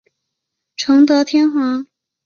崇德天皇。